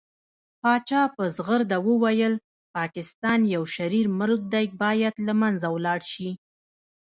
پاچا په ځغرده وويل پاکستان يو شرير ملک دى بايد له منځه ولاړ شي .